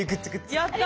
あやった！